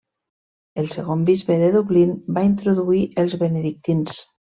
El segon bisbe de Dublín va introduir els benedictins.